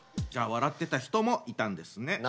じゃあ笑ってた人もいたんですね。